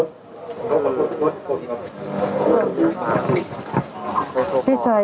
สวัสดีครับ